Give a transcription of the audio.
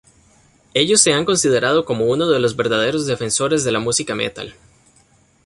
Ellos se han considerado como uno de los verdaderos defensores de la música metal.